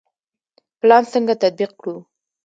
پلان څنګه تطبیق کړو؟